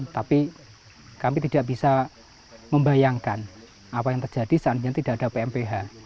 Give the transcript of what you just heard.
tapi kami tidak bisa membayangkan apa yang terjadi seandainya tidak ada pmph